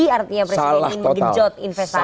artinya presiden ingin menggenjot investasi